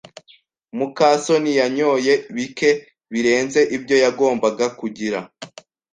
muka soni yanyoye bike birenze ibyo yagombaga kugira.